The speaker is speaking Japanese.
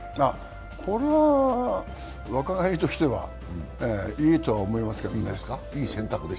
これは若返りとしてはいいと思いますけれどもね。